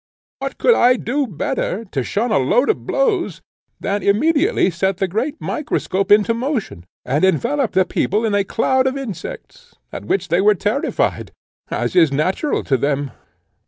What could I do better, to shun a load of blows, than immediately set the great microscope into motion, and envelope the people in a cloud of insects, at which they were terrified, as is natural to them?"